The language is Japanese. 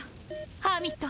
ハーミット！